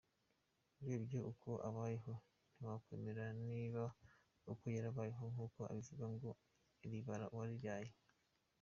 Urebye uko abayeho ntiwakwemera nibaba koko yarabayeho nk'uko abivuga, ngo ribara uwariraye.